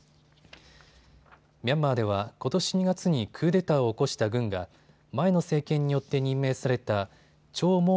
ミャンマーでは、ことし２月にクーデターを起こした軍が前の政権によって任命されたチョー・